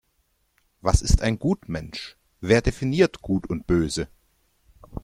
Was ist ein Gutmensch? Wer definiert Gut und Böse?